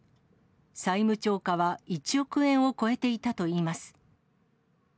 債務超過は１億円を超えていたといいます。